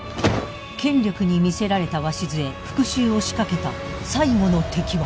権力に魅せられた鷲津へ復讐を仕掛けた最後の敵は。